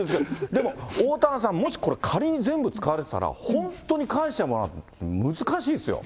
でも、おおたわさん、もし仮に全部使われてたら、本当に返してもらうの難しいですよ。